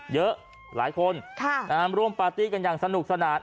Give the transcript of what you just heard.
เยอะหลายคนร่วมปาร์ตี้กันอย่างสนุกสนาน